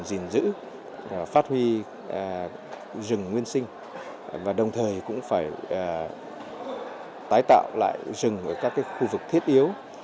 gìn giữ phát huy rừng nguyên sinh và đồng thời cũng phải tái tạo lại rừng ở các khu vực thiết yếu